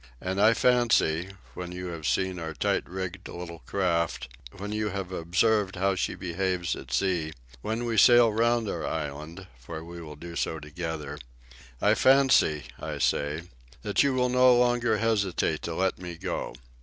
And I fancy, when you have seen our tight rigged little craft, when you have observed how she behaves at sea, when we sail round our island, for we will do so together I fancy, I say, that you will no longer hesitate to let me go.